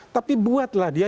tapi buatlah dia